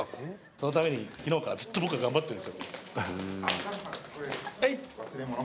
そのために昨日からずっと僕頑張ってるんですよ。